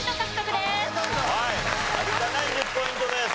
はい有田ナイン１０ポイントです。